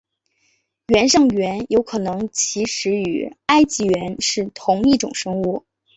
原上猿有可能其实与埃及猿是同一种生物。